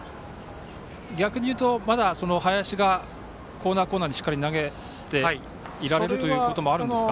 逆に言うとまだ林がコーナー、コーナーにしっかり投げていられるということもあるんですか？